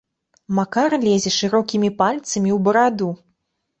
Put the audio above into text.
Макар лезе шырокімі пальцамі ў бараду.